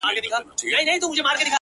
• خو د کاظم خان شیدا شعر ,